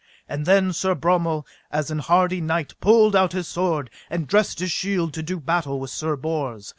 And then Sir Bromel, as an hardy knight, pulled out his sword, and dressed his shield to do battle with Sir Bors.